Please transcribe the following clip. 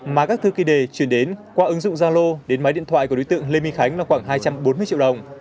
mà các thư kỳ đề chuyển đến qua ứng dụng gia lô đến máy điện thoại của đối tượng lê minh khánh là khoảng hai trăm bốn mươi triệu đồng